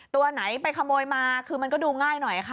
ตัวไหนไปขโมยมาคือมันก็ดูง่ายหน่อยค่ะ